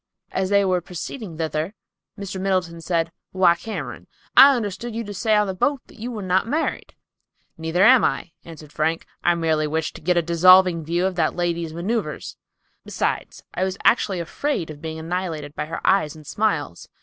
As they were proceeding thither, Mr. Middleton said, "Why, Cameron, I understood you to say on the boat that you were not married." "Neither am I," answered Frank. "I merely wished to get a dissolving view of that lady's maneuvers. Besides, I was actually afraid of being annihilated by her eyes and smiles.